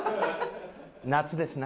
夏ですな。